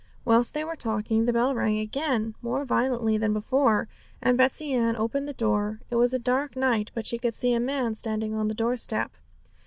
Whilst they were talking, the bell rang again, more violently than before, and Betsey Ann opened the door. It was a dark night, but she could see a man standing on the doorstep.